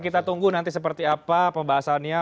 kita tunggu nanti seperti apa pembahasannya